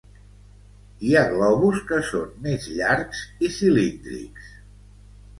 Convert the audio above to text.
Hi ha globus que són més llargs i cilíndrics.